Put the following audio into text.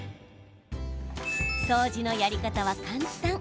掃除のやり方は簡単。